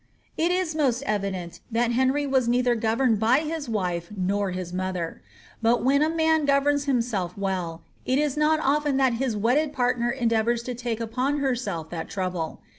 It is most evident that Henry was neither governed by his wife nor his mother. But, when a man governs himself well, it is not oflen that his wedded partner endeavours to take upon herself that trouble.